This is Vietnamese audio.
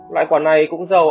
lại quả này cũng giàu azimuth